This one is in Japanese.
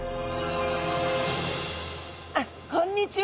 あっこんにちは！